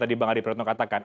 tadi bang adi pratno katakan